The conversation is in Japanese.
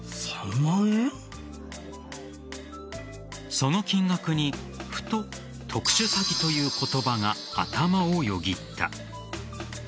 その金額に、ふと特殊詐欺という言葉が頭をよぎった。